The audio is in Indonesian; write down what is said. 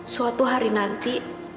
suatu hari nanti